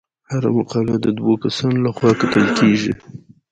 هره مقاله د دوه کسانو لخوا کتل کیږي.